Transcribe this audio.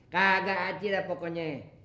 kagak aja deh pokoknya